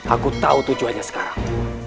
aku tahu tujuannya sekarang